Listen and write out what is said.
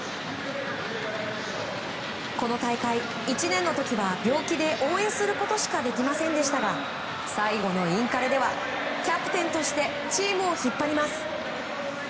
この大会、１年の時は病気で応援することしかできませんでしたが最後のインカレではキャプテンとしてチームを引っ張ります。